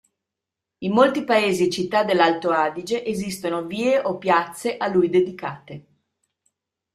In molti paesi e città dell'Alto Adige esistono vie o piazze a lui dedicate.